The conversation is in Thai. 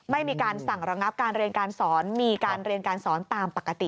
ไม่มีการสั่งระงับการเรียนการสอนมีการเรียนการสอนตามปกติ